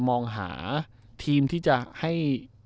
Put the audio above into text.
มองหาทีมที่จะให้